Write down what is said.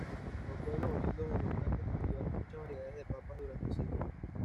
Los pueblos oriundos de los Andes cultivaron muchas variedades de papas durante siglos.